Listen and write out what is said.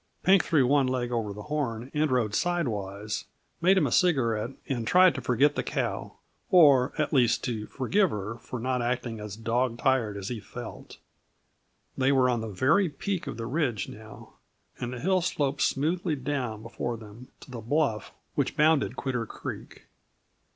Pink threw one leg over the horn and rode sidewise, made him a cigarette, and tried to forget the cow or, at least, to forgive her for not acting as dog tired as he felt. They were on the very peak of the ridge now, and the hill sloped smoothly down before them to the bluff which bounded Quitter Creek.